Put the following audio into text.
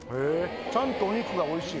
ちゃんとお肉がおいしい。